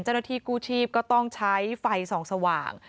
เจ้าหน้าที่กู้ชีพก็ต้องใช้ไฟส่องสว่าง